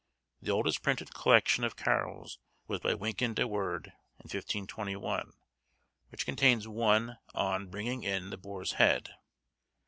The oldest printed collection of carols was by Wynkyn de Worde, in 1521, which contains one on bringing in the boar's head.